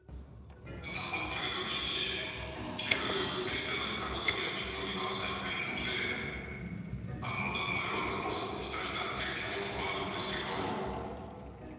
困ってるときに寄付していただいたことには非常に感謝してるので、名前は残しておきたいなっていう気持ちはあるんですけど。